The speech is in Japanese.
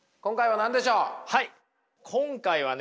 今回はね